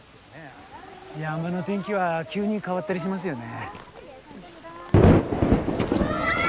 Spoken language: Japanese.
山の天気は急に変わったりしますよね。